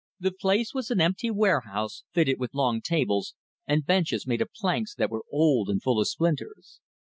The place was an empty warehouse, fitted with long tables, and benches made of planks that were old and full of splinters.